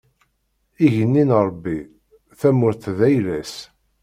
Igenni n Ṛebbi, tamurt d ayla-s.